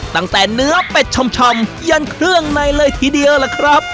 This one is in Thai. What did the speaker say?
ตั้งแต่เนื้อเป็ดชำยันเครื่องในเลยทีเดียวล่ะครับ